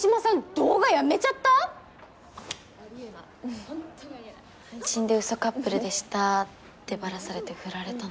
動画やめちゃった⁉配信でウソカップルでしたってバラされて振られたの。